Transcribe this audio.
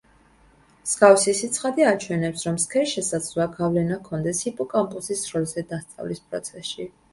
მსგავსი სიცხადე აჩვენებს, რომ სქესს შესაძლოა გავლენა ჰქონდეს ჰიპოკამპუსის როლზე დასწავლის პროცესში.